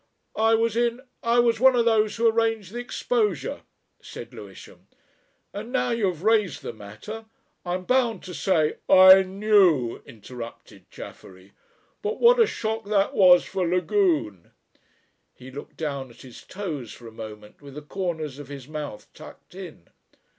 "I was in I was one of those who arranged the exposure," said Lewisham. "And now you have raised the matter, I am bound to say " "I knew," interrupted Chaffery. "But what a shock that was for Lagune!" He looked down at his toes for a moment with the corners of his mouth tucked in.